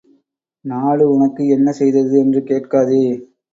நாடு உனக்கு என்ன செய்தது என்று கேட்காதே.